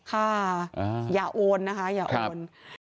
ค่ะอย่าโอนนะคะอย่าโอน